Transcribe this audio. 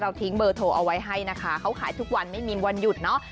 ทิ้งเบอร์โทรเอาไว้ให้นะคะเขาขายทุกวันไม่มีวันหยุดเนอะ